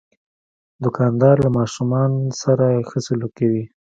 دوکاندار له ماشومان سره ښه سلوک کوي.